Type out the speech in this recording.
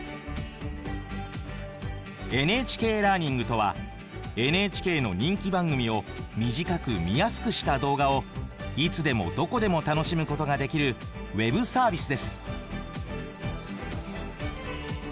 ＮＨＫラーニングとはＮＨＫの人気番組を短く見やすくした動画をいつでもどこでも楽しむことができるウェブサービスです。